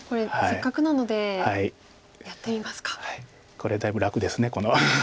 これだいぶ楽ですこの。